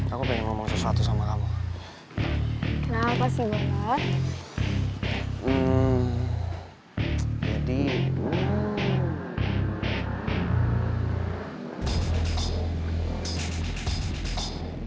aku pengen mau ke rumah sama teman teman ya kita beranggit di sini